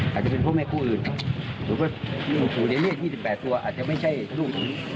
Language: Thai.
อาจจะเป็นพ่อแม่คู่อื่นหรือว่าหรือหรือหรือ๒๘ตัวอาจจะไม่ใช่ลูก